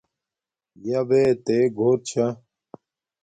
یابے تے گھور چھا